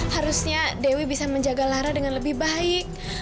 harusnya dewi bisa menjaga lara dengan lebih baik